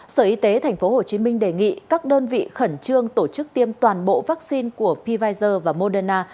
sở y tế tp hcm đề nghị các đơn vị khẩn trương tổ chức tiêm toàn bộ vaccine của pvers và moderna